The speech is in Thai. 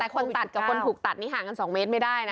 แต่คนตัดกับคนถูกตัดนี่ห่างกัน๒เมตรไม่ได้นะ